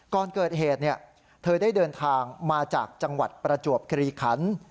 ก่อนเกิดเหตุเธอได้เดินทางมาจากจังหวัดประจวบคลีขัน